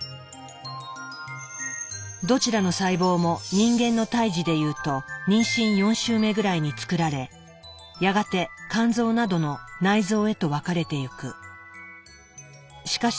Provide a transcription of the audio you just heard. どちらの細胞も人間の胎児でいうと妊娠４週目ぐらいに作られやがて肝臓などの内臓へと分かれてゆく。